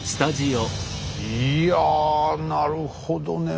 いやなるほどね。